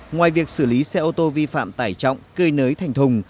ngoài việc xử lý xe ô tô vi phạm tải trọng cơi nới thành thùng